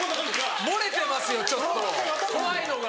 漏れてますよちょっと怖いのが。